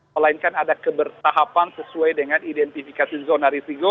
melainkan ada kebertahapan sesuai dengan identifikasi zona risiko